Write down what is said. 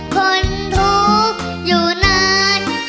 คนทุกข์อยู่นาน